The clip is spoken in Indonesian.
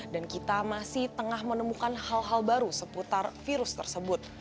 dan kita masih tengah menemukan hal hal baru seputar virus tersebut